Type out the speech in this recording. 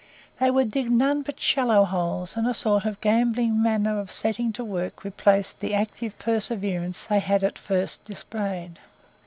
They would dig none but shallow holes, and a sort of gambling manner of setting to work replaced the active perseverance they had at first displayed.